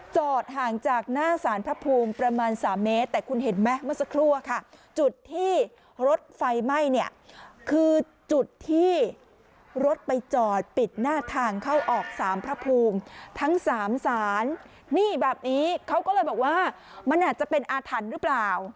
จอดห่างจากหน้าสารพระภูมิประมาณ๓เมตรแต่คุณเห็นไหมเมื่อสักครู่ค่ะจุดที่รถไฟไหม้เนี่ยคือจุดที่รถไปจอดปิดหน้าทางเข้าออกสามพระภูมิทั้งสามสารนี่แบบนี้เขาก็เลยบอกว่ามันอาจจะเป็นอาถรรพ์หรือเปล่า